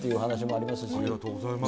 ありがとうございます。